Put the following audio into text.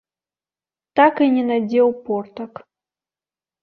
Так і не надзеў портак.